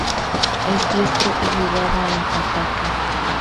Es diestro y jugaba en ataque.